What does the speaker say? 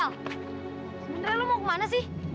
sebenernya lu mau kemana sih